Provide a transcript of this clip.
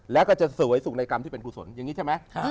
แล้วก็จะสวยสุขในกรรมที่เป็นกุศลอย่างนี้ใช่ไหม